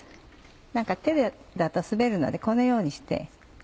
何か手だと滑るのでこのようにして。